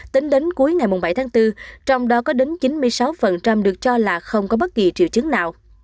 tính đến cuối ngày bảy tháng bốn trong đó có đến chín mươi sáu được cho là không có bất kỳ triệu chứng nào